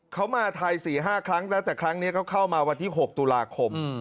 เขามาไทย๔๕ครั้งแล้วแต่ครั้งนี้เขาเข้ามาวันที่๖ตุลาคม